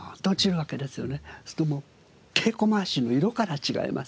そうするともう稽古まわしの色から違いますから。